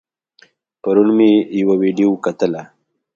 پرون مې يوه ويډيو کتله